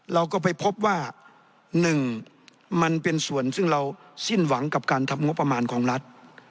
เราก็ไปพบว่า๑มันเป็นส่วนซึ่งเราสิ้นหวังกับการทำงบประมาณของรัฐ